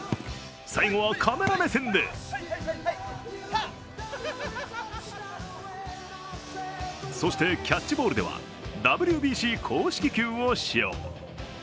最後はカメラ目線でそしてキャッチボールではＷＢＣ公式球を使用。